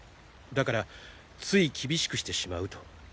だからつい厳しくしてしまうと。